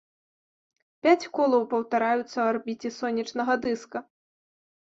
Пяць колаў паўтараюцца ў арбіце сонечнага дыска.